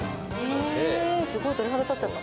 すごい、鳥肌立っちゃった。